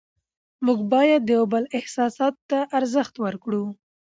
موږ باید د یو بل احساساتو ته ارزښت ورکړو